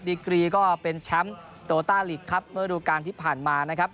กรีก็เป็นแชมป์โตต้าลีกครับเมื่อดูการที่ผ่านมานะครับ